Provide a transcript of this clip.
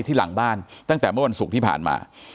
หลังบ้านตั้งแต่เมื่อวันศุกร์ที่ผ่านมา